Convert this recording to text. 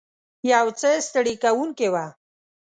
یو څه ستړې کوونکې وه.